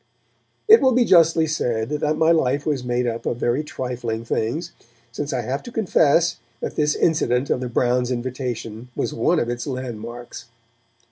It will be justly said that my life was made up of very trifling things, since I have to confess that this incident of the Browns' invitation was one of its landmarks.